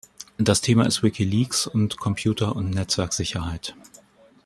Das Thema ist WikiLeaks und Computer- und Netzwerksicherheit.